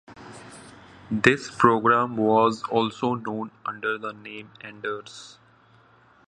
This program was also known under the name Anders.